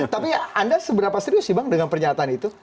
tapi anda seberapa serius sih bang dengan pernyataan itu